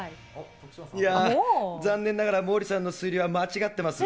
いやぁ、残念ながら毛利さんの推理は間違ってます。